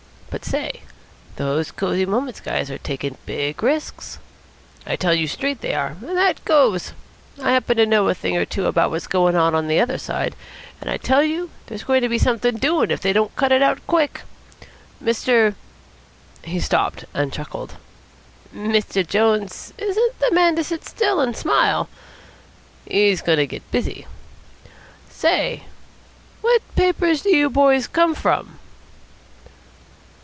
But, say, those Cosy Moments guys are taking big risks. I tell you straight they are, and that goes. I happen to know a thing or two about what's going on on the other side, and I tell you there's going to be something doing if they don't cut it out quick. Mr. " he stopped and chuckled, "Mr. Jones isn't the man to sit still and smile. He's going to get busy. Say, what paper do you boys come from?"